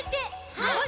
はい！